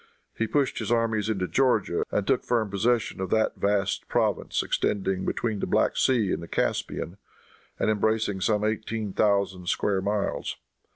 He pushed his armies into Georgia and took firm possession of that vast province extending between the Black Sea and the Caspian, and embracing some eighteen thousand square miles.